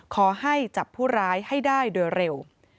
ขอให้จับผู้ร้ายให้ได้โดยเร็ว